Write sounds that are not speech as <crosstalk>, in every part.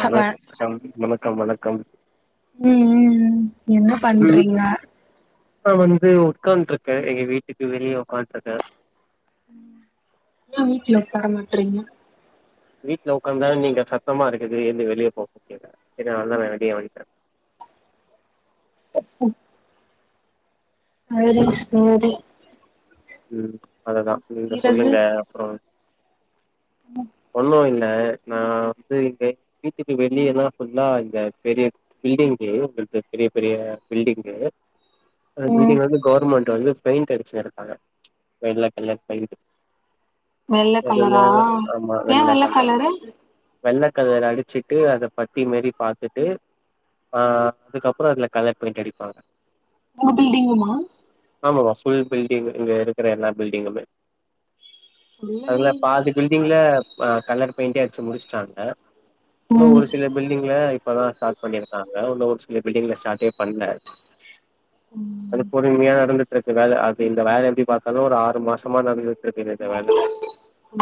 வணக்கம் வணக்கம் வணக்க கம் உம் உம் என்ன பண்றீங்க இது உட்காட் இருக்கே எங்க வீட்டுக்கு வெளிய உட்காட் இருக்கே ஏ வீட்ல ஒக்காரமாட்றீங்க வீட்ல ஒக்காந்தா நீங்க சத்தமா இருக்குது எந்து வெளியே போங்க அதனால நா வெளிய வன்டே உம் அது சரி உம் அததா நீங்க பிறகு சொல்லுங்க அப்றோ ஒன்னு இல்ல நா வந்து எங்க வீட்டுக்கு வெளியேனா ஃபுல்லா இந்த பெரிய பில்டிங்கு உங்களுக்கு பெரிய பெரிய பில்டிங்கு அந்த ம் பில்டிங் வந்த கவர்மெண்ட் வந்து பெயிண்ட்டு அடுச்சு இருக்காங்க வெள்ள கலர் பெயிண்ட்டு வெள்ள கலரா ஆமா ஏ வெள்ள கலர் கலரு வெள்ள கலர் அடுச்சுட்டு அத பட்டி மாரி பாத்துட்டு ஆ அதுக் அப்றோ அதுல கலர் பெயிண்ட்டு அடிப்பாங்க ஒங்க பில்டிங்குமா ஆமா ஃபுல் பில்டிங் இங்க இருக்குற எல்லா பில்டிங்குமே சொல்லவே அதுல இல்ல பாதி பில்டிங்ல ஆ கலர் பெயிண்ட்டே அடுச்சு முடிச்சு சண்ட இன்னு ம் ஒரு சில பில்டிங்ல இப்பதா ஸ்டாட் பண்ணிருக்காங்க இன்னு ஒரு சில செல பில்டிங்ல ஸ்டாட்டே பண்ல அது ம் பொறுமையா இருந்துட்டு எனக்கு வேல அப்டின் இந்த வேல எப்டி பாத்தாலு ஒரு ஆறு மாசமா நடக்கே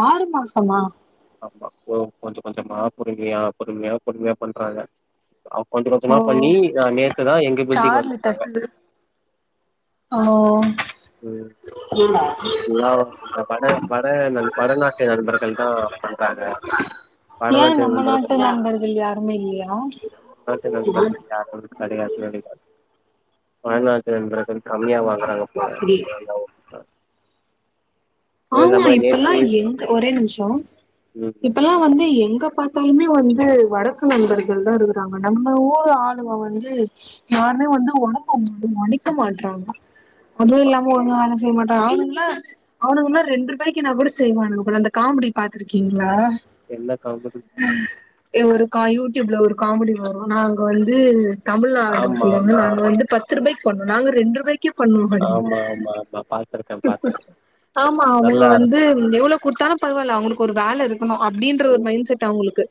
ஆறு மாசமா ஓ கொஞ்ச கொஞ்சமா பொறுமையா பொறுமையா பொறுமையா பண்றாங்க கொஞ்ச ஓ கொஞ்சமா பண்ணி நேத்துதா எங்க பில்டிங் வந்துருக்காங்க ஓஓ ம் இல்ல இந்த வட வட வடநாட்டு நண்பர்கள் தா பண்றாங்க ஏ வடநாட்டு நம்ம நண்பர்கள் நாட்டு நண்பர்கள் யாருமே இல்லையா வடமாத்த நண்பர்கள் யாரும் கா வடநாட்டு நண்பர்கள் கம்மியா வாங்குறாங்க போல புடி <unintelligible> அதெல்லா அதுவு ஆமா இல்லாம இப்பல்லா நேத்து எங்க ஒரே நிமிஷோ ம் இப்பலா வந்து எங்க பாத்தாலுமே வந்து வடக்கு நண்பர்கள் தா இருக்குறாங்க நம்மள ஊர் ஆளுவ வந்து யாருமே வந்து ஒடம்ப மடிக்க மாட்றாங்க அதுவு ஆமா இல்லாம ஒழுங்கா வேல செய்ய மாட் நானுங்கள அவனுக்குனா ரெண்டுரூபாய்கு நா கூட செய்வானுங்க போல அந்த காமெடி பாத்துருக்கீங்ளா என்ன காமடி ஏ ஒரு கா யு யூடியூப்ல ஒரு காமெடி வரு நா அங்க வந்து தமிழ் ஆளுங்க ஆமா சொல்லுவாங்கள ஆமா அங்க வந்து பத்து ரூபாய்க் பண்ணு நாங்க ரெண்டு ரூபாய்க் ஆமா ஆமா ஆமா பாத்துருக்கே பாத்துருக்கே ஆமா அவுங்க வந்து எவ்வள குடுத்தாலு பரவால்ல அவுங்களுக்கு ஒரு வேல இருக்கு ம்ம அப்டீன்ற ஒரு மைண் ம் செட் அவுங்களுக்கு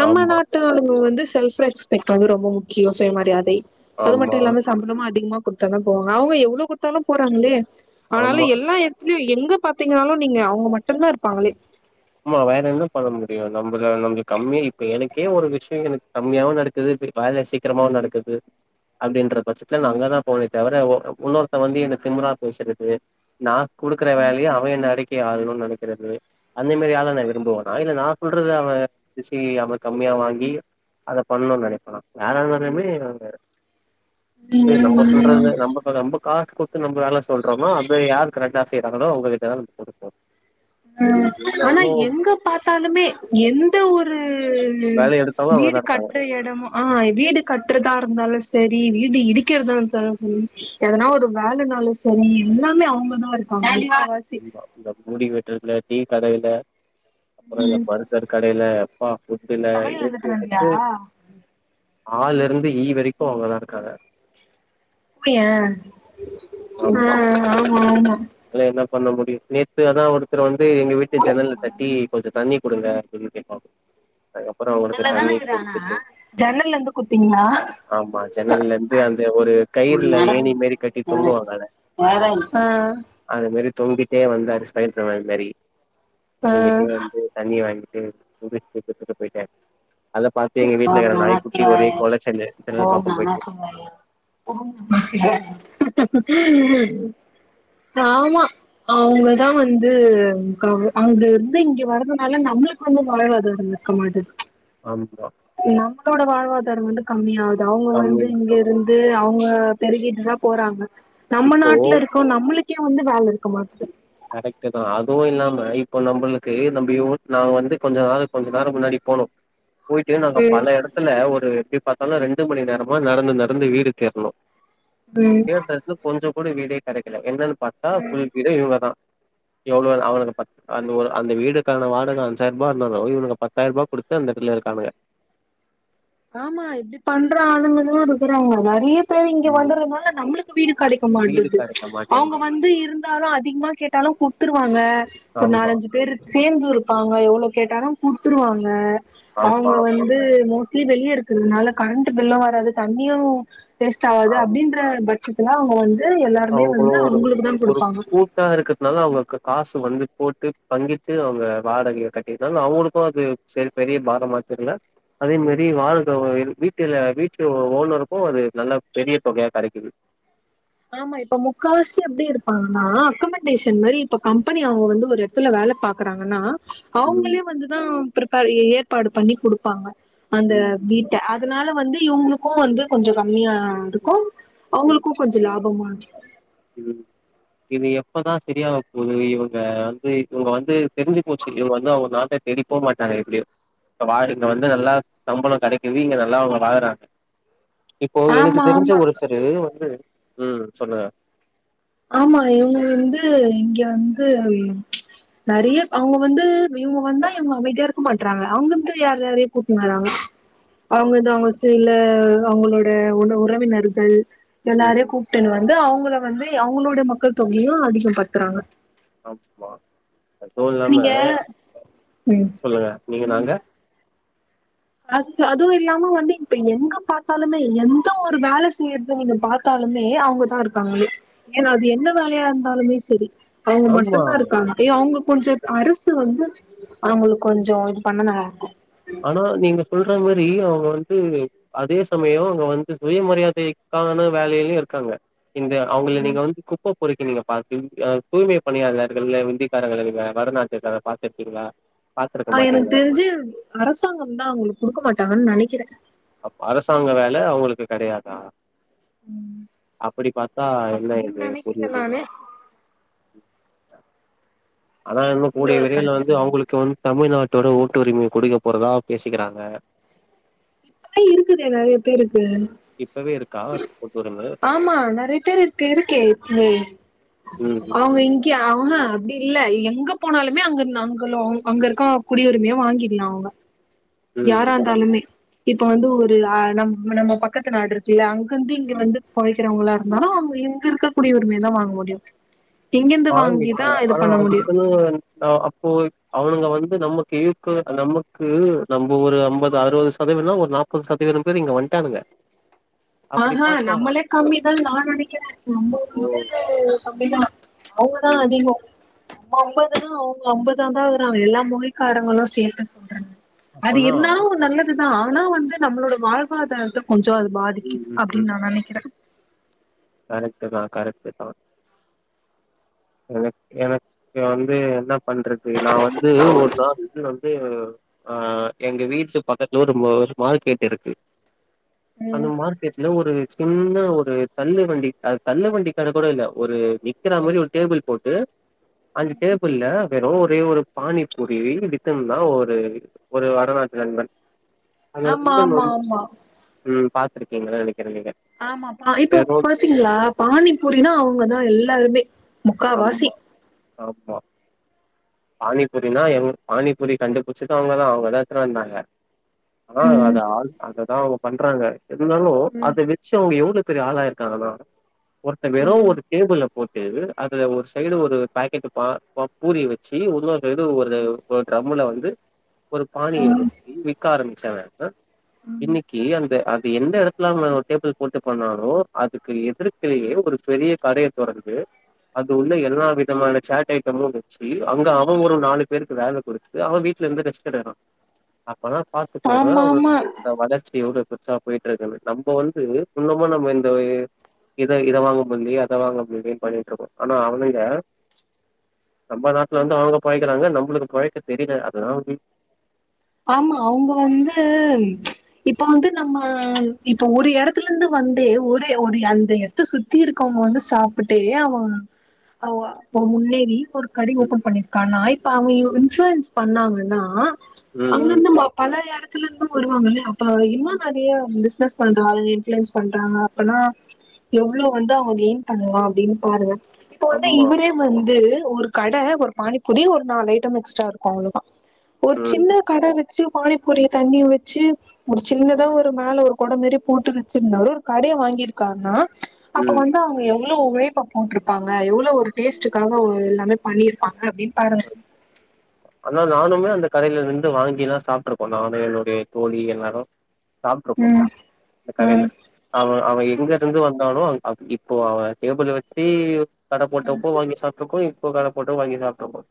நம்ம ஆமா நாட்டு ஆளுங்க வந்து செல்ப்ரெக்ஸ்பட் கௌரவம் முக்கிய சுயமரியாதை ஆமா அதுமட்டும் இல்லாம சம்பளமு அதிகமா குடுத்தா தா போவாங்க அவுங்க எவ்ளே குடுத்தாலு போறாங்களே ஆனாலு ஆமா எல்லா எடத்துலய ங்க பாத்திங்கனாலு நீங்க அவுங்க மட்டுந்தா இருபாங்களே ஆமா வேற என்னா பண்ண முடியு நம்மள நம்ம கம்மியா இப்ப எனக்கே ஒரு விஷயோ எனக்கு கம்மியாவு நடக்குது வேல சீக்கிரமாவு நடக்குது அப்டீன்ற பட்சத்துல நா அங்கதா போவே தவிர இன்னொருத்த வந்து என்ன திமுரா பேசுறது நா குடுக்குற வேலயே அவ என்ன அடைக் யாதுனு நெனக்குறது அந்த மேரி ஆள நா விரும்புவனா இல்ல நா சொல்றது அவ மெசி அவ கம்மியா வாங்கி அத பண்ணம்னு நினப்பனா யாரயிருந்தாலுமே இது ம் நம்ப ம் சொல்றதுல்ல நம்ப ப நம்ப காசு குடுத்து நம்ப வேல சொல்றோமா அந்த யாருகட காசு செய்றாங்களோ அவுங்ககிட்ட தா நம்ம குடுப்போ அ இதுல ஆனா வந்து எங்க பாத்தாலுமே எந்த ஒரு வேல எடுத்தவங்க வீடு அவங்கதா இருக்காங்க கட்ற எடமு ஆ வீடு கட்றதா இருந்தாலு சேரி வீடு இடிக்கிறதா இருந்தாலு சேரி எதனா ஒரு வேலனாலு சரி எல்லாமே அவுங்கதா இருக்காங்க முக்காவாசி ஆமா இந்த முடி வெட்றதுல டீ கடைல அப்றோ இந்த ம் பர்கர் கடைல அப்பா ஃபுட்டுல தமிழ் ஏ டூ எழுதுனதியா செட்டு ஆ லருந்து ஈ வரைக்கு அவுங்கதா இருக்காங்க அப்டியா ஆ ஆமா ஆமா இப்ப நம்முடைய பேச்சேதா ஒருத்தர் வ ந்து எங்க வீட்டு ஜன்னல்ல தட்டி கொஞ்ச தண்ணி குடுங்க குடுச்சுட்டு <unintelligible> அப்புறொ அவுங்களுக்கு நல்லாதான தண்ணி இக்குது ஆனா குடுத்துட்டு ஜன்னல்ல இருந்து குத்தீங்களா ஆமா ஜன்னல்லந்து அந்த ஒரு கயிறுல ஏணி மாரி கட்டி தொங்குவாங்கல்ல அது மாரி தொங்கிட்டே வந்தாரு ஸ்பைடர்மேன் மாரி தொங்கிட்டே வந்து தண்ணி வாங்கி ட்டு குடுச்ட்டு குத்துட்டு போய்ட்டாரு ஓம் நமச்சிவாய கொலச்சல்லு ஜன்னல் ஓம் பக்கோ போயிட்டு நமசிவாய ஓம் நமசிவாய ஆமா அவுங்கதா வந்து அங்கருந்து இங்க வர்றதுனால நம்மளுக்கு வந்து வாழ்வாதாரம் இருக்க மாட்டிது ஆமா ஆ நம்ளோட வாழ்வாதார வந்து கம்மியா கு அவுங்க வந்து கம்மியா இங்க போச்சு. இருந்து அவுங்க பெருகிட்டுதா போறாங்க நம்ம இப்போ நாட்ல இருக்கோ நம்மளுக் கே வந்து வேல இருக்க மாட்டிகிது கரெக்ட்டு தா அதுவு இல்லாம இப்போ நம்பளுக்கு நம்ப யோ நா வந்து கொஞ்ச ஆ கொஞ்ச நேரம் முன்னாடி போனோ போயிட்டு நாங்க ம் பல எடத்துல ஒரு எப்டி பாத்தாலு ரெண்டு மணி நேரமா நடந்து நடந்து வீடு தேட்னோ ம் கேட்ட‌ எடத்துல கொஞ்சொ கூட வீடே கெடைக்கல எங்களு பாத்தா ஃபுல் பீரே இவங்கதான் எவ்ளோ அவனுக்கு பத் அந்த ஒரு அந்த வீடுக்கான வாடக அஞ்சாயிரூபா இருந்தாலும் இவனுங்க பத்தாயிரூபா குடுத்து அந்த இடத்துல இருக்கானுங்க ஆமா இப்டி பண்ற ஆளுங்களூம் இருக்கறாங்க நறையா பேரு இங்க ம் வந்துறனால நம்மளுக்கு வீடு கடைக்க வீடு மாட்டிது கெடைக்க அவுங்க மாட்டேங்குது வந்து இருந்தாலும் அதிகமா கேட்டாலும் குடுத்துருவாங்க ஒரு ஆமா நாலஞ்சி பேரு சேந்தும் இருப்பாங்க எவ்ளோ கேட்டாலும் குடுத்துருவாங்க அவங்க ஆமா ஆமா வந்து மோஸ் சி இருக்கறதுனால கரண்ட்டு பில்லும் வராது தண்ணியும் டேஸ்ட்டு ஆவாது அப்டின்ற பஜ்ஜத் துல அவங்க வந் அவுங்களும் ஒரு ஒரு கூட்டா இருக்கறதுனால அவங்களுக்கு காசு து வந்து போட்டு பங்கிட்டு அவுங்க வாடகைய கட்டிட்டாலு அவங்களுக்கும் அது சரி பெரிய பாரமா தெர்ல அதே மாரி வாடக வ வீட்டுல வீட்டு ஓனருக்கும் அது நல்லா பெரிய தொகையா கடைக்குது ஆமா இப்ப முக்காவாசி எப்டி இருப்பாங்கன்னா அக்கமன்டேஷன் மாரி இப்ப கம்பெனி அவுங்க வந்து ஒரு எடத்துல வேல பாக்கறாங்கன்னா ம் அவுங்களே வந்துதா பிரப்பர் ஏ ஏற்பாடு பண்ணி குடுப்பாங்க அந்த ம் வீட்ட அ தனால வந்து இவுங்களுக்கும் வந்து கொஞ்சம் கம்மியா இருக்கும் ம் அவுங்களுக்கு கொஞ்ச லாபமா இரு ம் இது எப்பதான் செரியாக போது இவங்க வந்து இவங்க வந்து தெரிஞ்சி போச்சி இவங்க வந்து அவுங்க நாட்ட தேடிபோ மாட்டாங்க எப்டியு வா இங்க வந்து நல்லா சம்பளம் கெடைக்குது இங்க நல்லா அவுங்க வாழறாங்க இப்போ எனக்கு ஆமா தெரிஞ்ச ஆமா ஒருத்தரு வந்து ம் சொல்லுங்க ஆமா இவங்க வந்து இங்க வந்து நறையா அவுங்க வந்து இவுங்க வந்தா இவங்க அமைதியா இருக்க மாட்றாங்க அங்கிந்து யார் யாரையோ கூப்ட்னு வறாங்க ஆ அவுங்க தா அவுங்க செய்ல அவங்களோட உன உறவினர்கள் ம் எல்லாரையும் ம் கூப்ட்டுன்னு வந்து அவுங்க ள வந்து கி அவங்களோட மக்கள் தொகையும் அதிகம் படுத்துறாங்க ஆமா அதுவு இல்லாம நீங்க சொல்லுங்க நீங்க நாங்க அதுக்கு அதுவும் இல்லாம வந்து இப்ப எங்க பாத்தாலுமே எந்த ஒரு வேல செய்யறது நீங்க பாத்தாலுமே அவுங்கதான் இருப்பாங்களே ஏன்னா அது என்ன வேலையா இருந்தாலுமே செரி அவுங்க ஆமா மட்டும்தான் இருக்காங்க ஏ அவுங்க கொஞ்சம் அரசு வந்து அவங்களுக்கு கொஞ்சம் இது பண்ண நல்லா இருக்கும் ஆனா நீங்க சொல்ற மாரி அவங்க வந்து அதே சமயோ அவங்க வந்து சுயமரியாதைக்கான வேலைலயு இருக்காங்க இந்த அவங்கள நீங்க வந்து குப்பப் குரிக்க நீங்க பா தூய்மை பணியாதர்கள் விந்தக்காரர்கள்ங்க வடலாற்றக்கார பாத்துருக்கீங்களா பாத்துருக்க ஆ எனக்கு மாட்டீங்க தெரிஞ்சு அரசு அரசாங்கம் தா அவங்களுக்கு குடுக்க மாட்டாங்கன்னு நனைக்கிறே அப்ப அரசாங்க வேல அவங்களுக்கு கடையாதா ம் அப்டி பாத்தா என்ன அப்டின்னு இது நெனைக்கிறே புரியல நானு <unintelligible> அதா இன்னு கூடிய உங்களோட விரைவுல கருத்த வந்து சொல்லுங்க அவங்களுக்கு வந்து தமிழ்நாட் ட்டோட ஓட்டு உரிமை குடுக்க போறதா பேசிக்கிறாங்க ஆ இருக்குது நறையா பேரு இப்பவே இருக்கா கூட்டுவர ஆமா நறைய பேர் <inaudible> இருக்கே இத் ம் அவங்கங்கியா ஆஹா அப்டி இல்ல எங்க போனாலுமே அங்க அங்கு அங்க இருக்க குடியுரிமையா வாங்கிட்லா அவங்க ம் யாரா ம் இந்தாலுமே இப்ப வந்து ஒரு ஆ நம்ம பக்கத்து நாடு இருக்குல அங்கிருந்து இங்க வந்து பொழக்கிறவங்களா இருந்தாலு அவங்க எங்க இருக்க குடி உரிமை தா வாங்க முடியு இங்கிருந்து வாங்கி வாங்கிதா வக்கலா இது ஆனா பண்ண முடியு அதுக்குன்னு ந அப்போ அவனுங்க வந்து நமக்கு இக்வல் நமக்கு நம்ம ஒரு ஐம்பது அறுவது சதவீதம்பேர் ஒரு நாற்பது சதவீதம் பேர் இங்க வந்ட்டானுங்க அப்படி ஆஹா பாத்தா நம்மளே கம்மிதா நா நனைக்கிறே நம்ம ஓ! வந்து கம்மிதா அவங்கதா ம். அதிகோ <inaudible> அவங்க <inaudible> தா வருறாங்க எல்லா மொழிக்காரங்களு சேட்டு சொல்றாங்க அது அப்பனா இருந்தாலு ஒரு நல்லது ஆனா வந்து நம்மளோட வாழ்வாதாரத்த கொஞ்ஜோ அது பாதி ம், அப்டின்னு நா நனைக்கிற கரெக்ட் தா கரெக்ட் தா எனக்எனக்கு வந்து என்ன பண்றது நா வந்து ஒரு நாள் வந்து அ எங்க வீட்டு பக்கத்துல ஒர ஒரு மார் கேட்டு இருக்கு அந்த மார்க்கெட்ல ஒரு சின்ன ன்னஒரு தள்ளு வண்டி அது தள்ளு வண்டி கட கூட இல்ல ஒரு நிற்கிற மாரி ஒரு டேபிள் போட்டு அந்த டேபிள்ல வெறும் ஒரே ஒரு பானி பூரி வித்துன்னுந்தா ஒரு ஒரு வடநாட்டு நண்பன் ஆமா மா மா பாத்துருகீங்க நினக்கிறே நீங்க ஆமா இப்ப வெறு பாத்தீங்ளா பானிபூரினா அவுங்கதான் எல்லாருமே முக்காவாசி ஆம்மா பானிபூரினா எங்க பானிபூரி கண்டுபுடிச்சது அவுங்கதான் அவுங்கதான் எடுத்துன் வந்தாங்க ஆ ம் அது ஆள் அதான் பண்றாங்க இருந்தாலும் ம் அத வச்சு அவுங்க எவ்ளோ பெரிய ஆளாயிருக்காங்க ஒருத்தே வெறும் ம் ஒரு டேபிள் போட் தெரில அதுல ஒரு சைய்டு ஒரு பாக்கெட் பா பூரி வச்சு இன்னொரு இது ஒரு ஒரு ட்ரம்ல வந்து ஒரு பாணிய ம் வச்சு விக்க ஆரம்பிச்சாங்க ம். இன்னைக்கு அந்த அ எந்த எடத்துல அவுங்க டேபிள் போட்டு பண்ணாலோ அதுக்கு எதிர்கலயே ஒரு பெரிய கடயை தொறந்து அது உள்ள எல்லா விதமான சேட் அயிட்டமும் வச்சு அங்க அவன் ஒரு நாலு பேருக்கு வேல குடுத்து அவன் வீட்லருந்து ரெஸ்ட் எடுக்குறான் அப்ப பாத்துக்கோங்க ஆமா ஆமா அவுங்கவுளோட வளர்ச் எவ்ளோ ரிச்சா போயிட்டு இருக்கு நம்ம வந்து இன்னுமும் நம்ம இந்த இத வாங்க முல்லயே அத வாங்க முல்லயேனு பண்ணி இருக்கும் ஆனா அவனுங்க நம்ப நாட்டுல வந்து அவுங்க பொழக்கிறாங்க நம்மளுக்கு பொழக்க தெரியல அதுதா விதி ஆமா அவுங்க வந்து இப்ப வந்து நம்ம இப்ப ஒரு எடத்துல இருந்து வந்து ஒரு ஒரு அந்த எடத்த சுத்தி இருக்கவங்க வந்து சாப்டே அவங்க முன்னேறி ஒரு கடை ம் ஓபன் பண்ணிருக்கான் இப்ப அவன் எவனோ இன்சூரன்ஸ் பண்ணாங்கன்னா ம் அங்கருந்த நம்ப ம் பல எடத் துல இருந்து வருவாங்கல ஆ இன்னு நெறையா பிஸ் பிஸ்னஸ் பண்றங்க இன்ஃப்ளூயன்ஸ் பண்றாங்க அப்பனா எவ்ளோ ம். வந்து அவுங்க கெயின் பண்ணலாம் அப்டின் பாருங்க இப்ப ஆமா. ம். வந்து ஆமா. இவரே வந்து ஒரு கடை ஒரு பானி பூரி ஒரு நாலு ஐட்டம் எக்ஸ்ட்ரா இருக்கும் அவ்ளோ தா ஒரு ம். சின்ன வச்சு பானிப்பூரிய தண்ணிய வச்சு ஒரு சின்னதா ஒரு மேல ஒரு குடை மாரி போட்டு வச்சிருந்தாரு ஒரு கடையை வாங்கியிருக்காருனா அப்ப ம். வந்து அவங்க எவ் ளோ உழைப்பை போட்டு இருப்பாங்க ஒரு ம். டேஸ்டுக்காக எல்லமே பண்ணியிருக்கா ஆனா நானுமே அந்த கடையில இருந்து வாங்கி தா சாப்பிட்டுருக்கோம் நானும் என்னுடைய தோழி எல்லாரும் சாப்பிடுருக்கோம் ம் கடையில ம் அவன் அவன் எங்க இருந்து வந்தாலே அட இப்போ அவன் டேபிள் வச்சு கடை போட்டப்போ வாங்கி சாப்ட்டுகோம் <unintelligible> வாங்கி சாப்பிட்டு போம்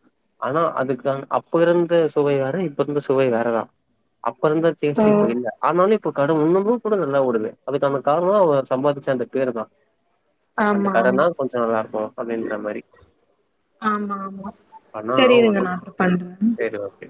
ஆனா அதுக்குஅப்ப இருந்த சுவை வேற இப்ப இருந்து சுவை வேறதான் அப்ப இருந்த ஓ டேஸ்ட் இப்ப இல்ல ஆனாலும் இப்ப கடை இன்னமும் கூட நல்லா ஓடுது அதுக்கான காரணம் அவ சம்பாதிச்ச அந்த பேரு தா அந்த ஆமா ஆமா கடைனா கொஞ்சம் நல்லாருக்கும் அப்டின்ற மாரி ஆனா செரி இருங்க ஒன்னு நா பண்றேன் சரி ஓகே